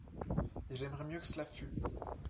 Et j’aimerais mieux que cela fût